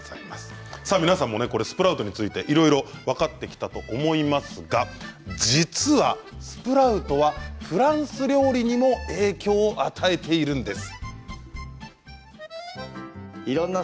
スプラウトについていろいろ分かってきたと思いますが実はスプラウトはフランス料理にも影響を与えているんです。